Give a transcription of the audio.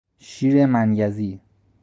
شیر منیزی